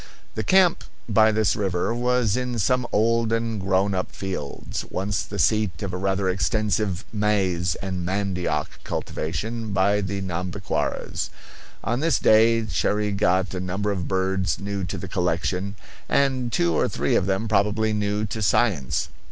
The camp by this river was in some old and grown up fields, once the seat of a rather extensive maize and mandioc cultivation by the Nhambiquaras. On this day Cherrie got a number of birds new to the collection, and two or three of them probably new to science.